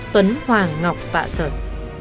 tuấn hoàng ngọc bạ sơn